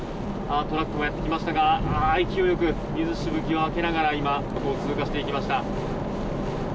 トラックもやってきましたが勢いよく水しぶきを上げながら横を通過していきました。